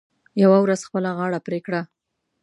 یوه ورځ خپله غاړه پرې کړه .